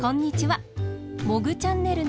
「モグチャンネル」のじかんです。